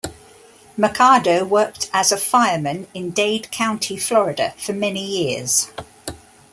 Mercado worked as a fireman in Dade County, Florida, for many years.